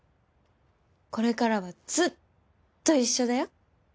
これからはずっと一緒だよ。